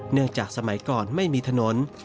จากสมัยก่อนไม่มีถนน